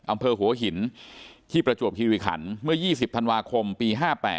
อำเภอหัวหินที่ประจวบคิริขันเมื่อ๒๐ธันวาคมปี๕๘